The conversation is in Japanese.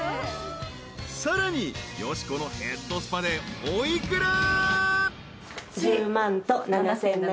［さらによしこのヘッドスパでお幾ら？］